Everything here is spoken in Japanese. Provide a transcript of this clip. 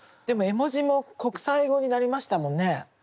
でも絵文字も国際語になりましたもんね。